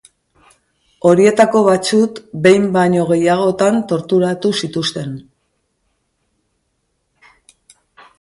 Horietako batzuk behin baino gehiagotan torturatu zituzten.